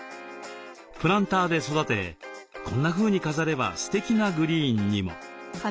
プランターで育てこんなふうに飾ればすてきなグリーンにも。